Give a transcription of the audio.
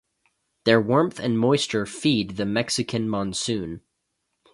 Their warmth and moisture feed the Mexican monsoon.